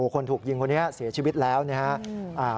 คนถูกยิงคนนี้เสียชีวิตแล้วนะครับ